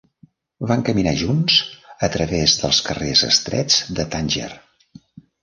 Van caminar junts a través dels carrers estrets de Tànger.